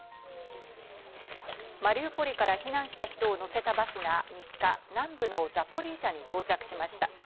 マリウポリから避難した人を乗せたバスが３日、南部のザポリージャに到着しました。